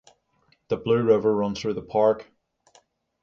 The Blue River runs through the park.